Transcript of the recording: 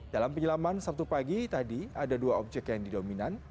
dalam penyelaman sabtu pagi tadi ada dua objek yang didominan